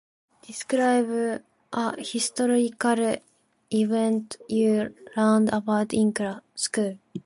Describe a- a historical event you learned about in cla- school.